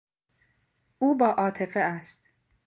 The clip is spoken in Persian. او با عاطفه است.